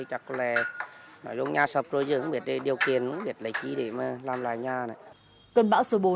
cơn bão số bốn